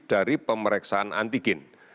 dari pemeriksaan antigen